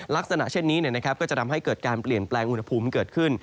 ลักษณะเช่นนี้ก็จะทำให้เกิดการเปลี่ยนแปลงอุณหภูมิเกิดขึ้น